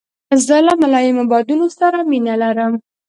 زه له ملایمو بادونو سره مینه لرم.